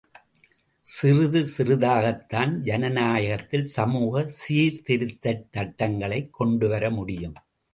சிறிது சிறிதாகத்தான் ஜனநாயகத்தில் சமூக சீர்திருத்தச் சட்டங்களைக் கொண்டுவர முடியும்.